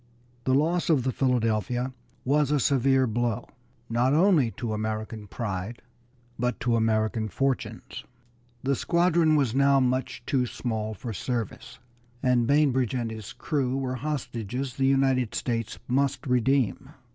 The loss of the Philadelphia was a severe blow, not only to American pride, but to American fortunes. The squadron was now much too small for service, and Bainbridge and his crew were hostages the United States must redeem.